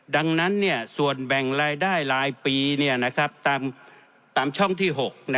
ดังนั้นส่วนแบ่งรายได้รายปีตามช่องที่๖